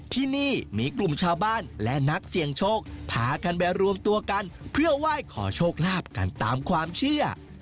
ที่นี่มีกลุ่มชาวบ้านและนักเสี่ยงโชคพากันไปรวมตัวกันเพื่อไหว้ขอโชคลาภกันตามความเชื่อ